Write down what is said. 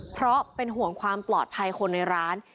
เพราะเป็นห่วงความปลอดภัยคนในร้าน